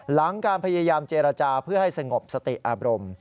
หลังการพยายามเจรจาเพื่อให้สงบสติอารมณ์